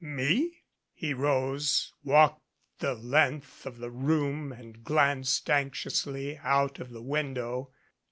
"Me?" He rose, walked the length of the room and glanced anxiously out of the window.